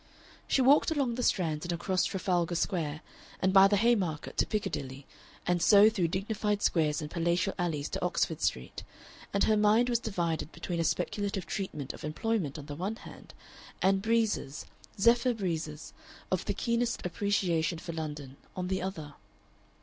She walked along the Strand and across Trafalgar Square, and by the Haymarket to Piccadilly, and so through dignified squares and palatial alleys to Oxford Street; and her mind was divided between a speculative treatment of employment on the one hand, and breezes zephyr breezes of the keenest appreciation for London, on the other.